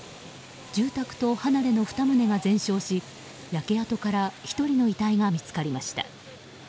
住宅と離れの２棟が全焼し焼け跡から１人の遺体が見つかりました。